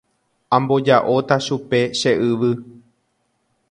Amboja'óta chupe che yvy.